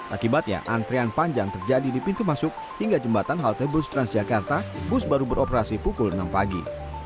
akibatnya antrian panjang terjadi di pintu masuk hingga jembatan halte bus transjakarta bus baru beroperasi pukul enam pagi